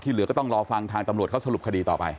เหลือก็ต้องรอฟังทางตำรวจเขาสรุปคดีต่อไป